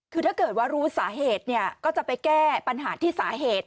คือถ้าเกิดว่ารู้สาเหตุเนี่ยก็จะไปแก้ปัญหาที่สาเหตุ